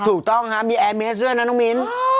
ถูกต้องฮะมีแอร์เมสด้วยนะน้องมิ้น